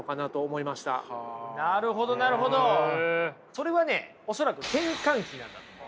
それはね恐らく転換期なんだと思います。